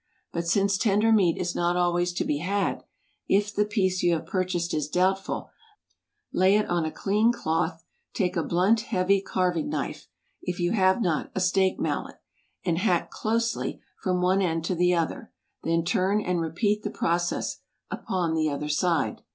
But since tender meat is not always to be had, if the piece you have purchased is doubtful, lay it on a clean cloth, take a blunt heavy carving knife, if you have not a steak mallet, and hack closely from one end to the other; then turn and repeat the process upon the other side.